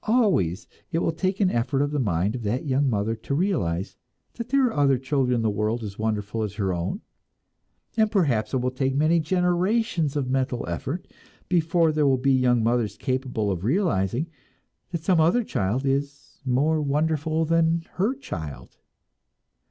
Always it will take an effort of the mind of that young mother to realize that there are other children in the world as wonderful as her own; and perhaps it will take many generations of mental effort before there will be young mothers capable of realizing that some other child is more wonderful than her child.